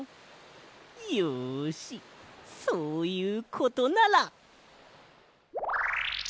よしそういうことなら。